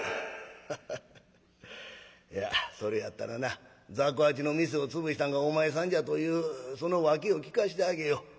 「ハハハいやそれやったらな雑穀八の店を潰したんがお前さんじゃというその訳を聞かしてあげよう。